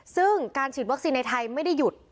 ซึ่งการฉีดวัคซีนในไทยไม่ได้หยุด